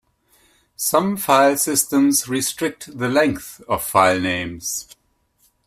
Some filesystems restrict the length of filenames.